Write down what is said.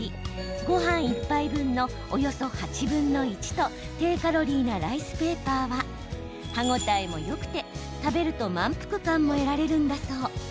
ごはん１杯分のおよそ８分の１と低カロリーなライスペーパーは歯応えもよくて、食べると満腹感も得られるんだそう。